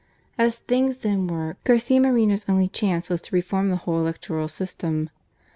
As things then were, Garcia Moreno's only chance was to reform the whole electoral system.